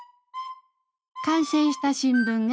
完成した新聞がこちら。